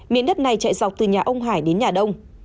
miếng đất này chạy dọc từ nhà ông hải đến nhà đông